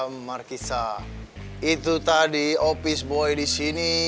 madem markissa itu tadi opis boi disini